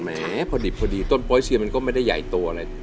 แม้พอดีต้นปลอยเซียมันก็ไม่ได้ใหญ่ตัวเลย